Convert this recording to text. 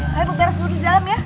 saya bukares dulu di dalam ya